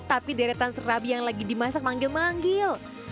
tapi deretan serabi yang lagi dimasak manggil manggil